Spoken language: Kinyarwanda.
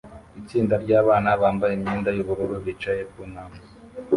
Itsinda ryabana bambaye imyenda yubururu bicaye ku ntambwe